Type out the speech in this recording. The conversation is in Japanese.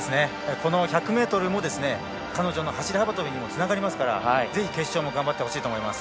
この１００ｍも彼女の走り幅跳びにもつながるのでぜひ決勝頑張ってほしいと思います。